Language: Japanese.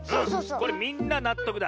これみんななっとくだ。